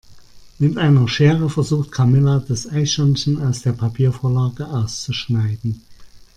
Mit einer Schere versucht Camilla das Eichhörnchen aus der Papiervorlage auszuschneiden.